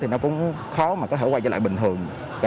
thì nó cũng khó mà có thể quay trở lại bình thường